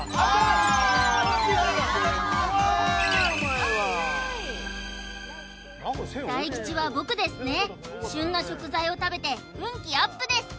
よーい大吉は僕ですね旬の食材を食べて運気アップです